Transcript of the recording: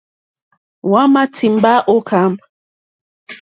Hwámà tìmbá ô kâmp.